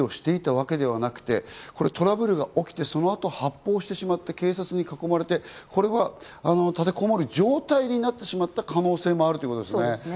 立てこもる準備をしていたわけではなくてトラブルが起きて、そのあと発砲してしまって、警察に囲まれて、立てこもる状態になってしまった可能性もあるということですね。